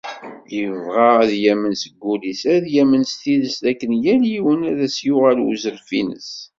Ibɣa ad yamen seg wul-is, ad yamen s tidet d akken yall yiwen ad as-yuɣal uzref ines.